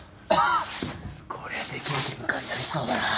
こりゃでけえケンカになりそうだな。